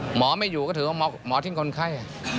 หมอไม่อยู่ก็ถือว่าหมอทิ้งคนไข้